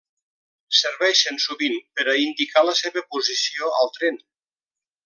Serveixen sovint per a indicar la seva posició al tren.